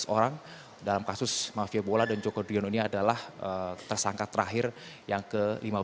sebelas orang dalam kasus mafia bola dan joko driono ini adalah tersangka terakhir yang ke lima belas